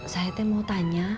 saya teh mau tanya